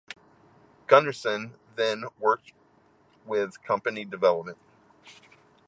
Gunnarsson then worked with company development.